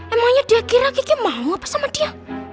emangnya dia kira kiki mau apa sama dia